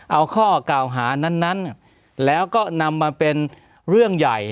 เอาข้อกล่าวหานั้นแล้วก็นำมาเป็นเรื่องใหญ่